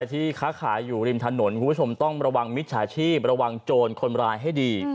ที่ค้าขายอยู่ริมถนนคุณผู้ชมต้องระวังมิจฉาชีพระวังโจรคนร้ายให้ดี